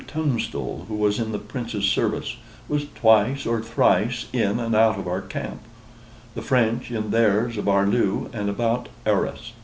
Tunstal, who was in the Prince's service, was twice or thrice in and out of our camp; the French, in theirs of Arlieu and about Arras.